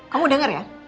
kamu denger ya